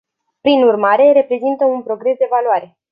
Prin urmare, reprezintă un progres de valoare.